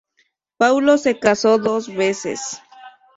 Paulo se casó dos veces.